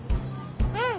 うん。